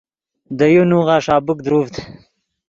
دے یو نوغہ ݰابیک دروڤد